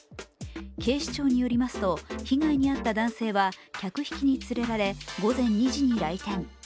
警視庁によりますと、被害に遭った男性は客引きに連れられ、午前２時に来店。